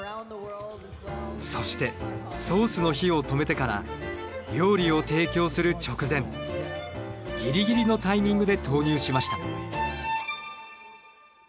そしてソースの火を止めてから料理を提供する直前ギリギリのタイミングで投入しました。